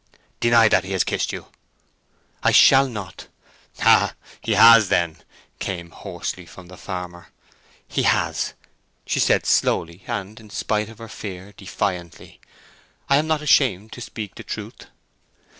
"Deny that he has kissed you." "I shall not." "Ha—then he has!" came hoarsely from the farmer. "He has," she said, slowly, and, in spite of her fear, defiantly. "I am not ashamed to speak the truth."